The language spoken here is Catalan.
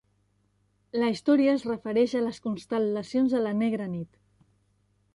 La història es refereix a les constel·lacions en la negra nit.